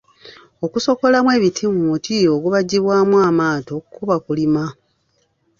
Okusokoolamu ebiti mu muti ogubajjibwamu amaato kuba Kulima.